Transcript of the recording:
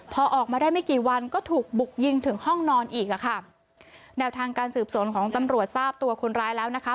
พอออกมาได้ไม่กี่วันก็ถูกบุกยิงถึงห้องนอนอีกอ่ะค่ะแนวทางการสืบสวนของตำรวจทราบตัวคนร้ายแล้วนะคะ